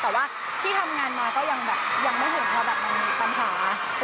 แต่ว่าที่ทำงานมาก็ยังไม่เห็นเรารับมีปัญหา